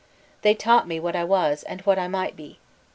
They taught me what I was, and what I might be.